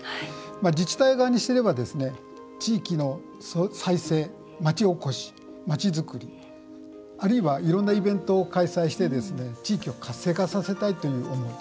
自治体側にしてみれば、地域の再生、町おこし、町づくりあるいは、いろんなイベントを開催して地域を活性化させたいという思い。